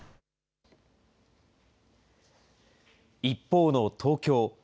一方の東京。